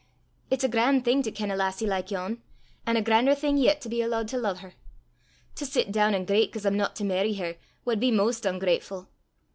It's a gran' thing to ken a lassie like yon, an' a gran'er thing yet to be allooed to lo'e her: to sit doon an' greit 'cause I'm no to merry her, wad be most oongratefu'!